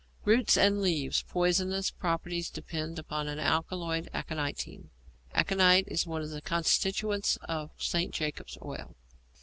Root and leaves. Poisonous property depends upon an alkaloid, aconitine. Aconite is one of the constituents of St. Jacob's Oil.